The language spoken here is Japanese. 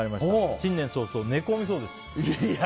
新年早々、寝込みそうです。